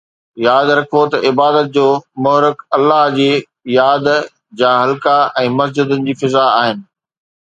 ياد رکو ته عبادت جو محرڪ الله جي ياد جا حلقا ۽ مسجدن جي فضا آهن.